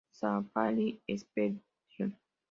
Safari Expedition.